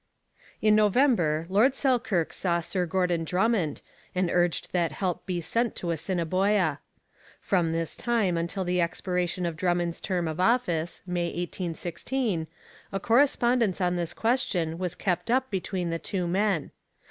In November Lord Selkirk saw Sir Gordon Drummond and urged that help be sent to Assiniboia. From this time until the expiration of Drummond's term of office (May 1816) a correspondence on this question was kept up between the two men.